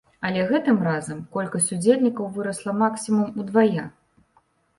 Але гэтым разам колькасць удзельнікаў вырасла максімум удвая.